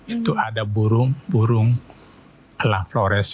itu ada burung burung telah flores